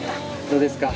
どうですか？